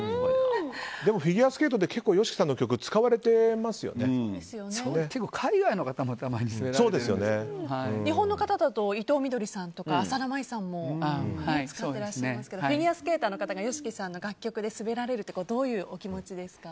フィギュアスケートって結構ＹＯＳＨＩＫＩさんの曲結構、海外の方も日本の方だと伊藤みどりさんとか浅田舞さんも使ってらっしゃいますけどフィギュアスケーターの方がＹＯＳＨＩＫＩさんの楽曲で滑られるというのはどういうお気持ちですか？